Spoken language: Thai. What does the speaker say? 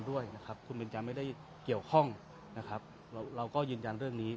ด้วยนะครับคุณเบนจาไม่ได้เกี่ยวข้องนะครับเราเราก็ยืนยันเรื่องนี้